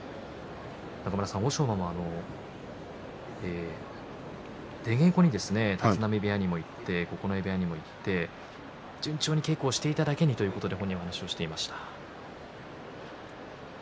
欧勝馬も出稽古に立浪部屋にも行って九重部屋にも行って順調に稽古をしていただけにということで本人は話をしていました。